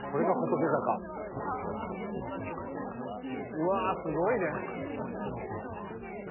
うわーすごいね。